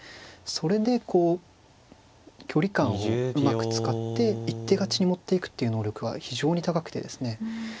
それでこう距離感をうまく使って一手勝ちに持っていくっていう能力は非常に高くてですね。